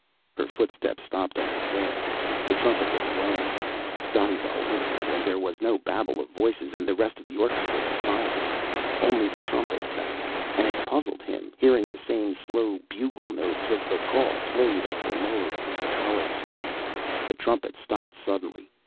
Her footsteps stopped on the stairs. The trumpet was alone. Donegal listened; and there was no babble of voices, and the rest of the orchestra was silent. Only the trumpet sang and it puzzled him, hearing the same slow bugle notes of the call played at the lowering of the colors. The trumpet stopped suddenly.